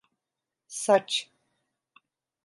Saç…